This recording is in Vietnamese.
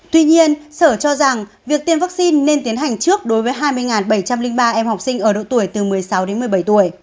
tuy nhiên sở cho rằng việc tiêm vaccine nên tiến hành trước đối với hai mươi bảy trăm linh ba em học sinh ở độ tuổi từ một mươi sáu đến một mươi bảy tuổi